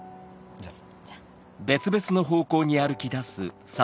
じゃあ。